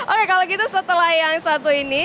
oke kalau gitu setelah yang satu ini